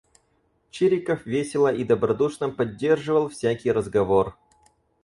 Чириков весело и добродушно поддерживал всякий разговор.